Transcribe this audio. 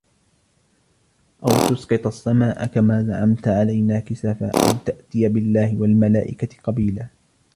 أَوْ تُسْقِطَ السَّمَاءَ كَمَا زَعَمْتَ عَلَيْنَا كِسَفًا أَوْ تَأْتِيَ بِاللَّهِ وَالْمَلَائِكَةِ قَبِيلًا